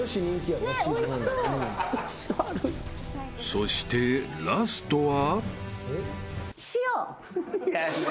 ［そしてラストは］